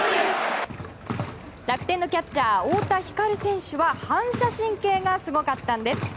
楽天のキャッチャー太田光選手は反射神経がすごかったんです。